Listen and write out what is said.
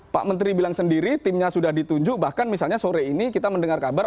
pak menteri bilang sendiri timnya sudah ditunjuk bahkan misalnya sore ini kita mendengar kabar